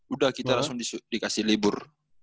udah kita langsung dikasih libur